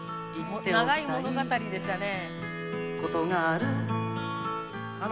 長い物語でしたね。